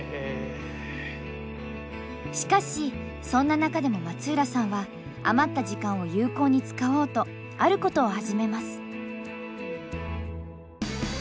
しかしそんな中でも松浦さんは余った時間を有効に使おうとあることを始めます。